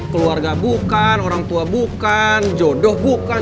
keluarga bukan orang tua bukan jodoh bukan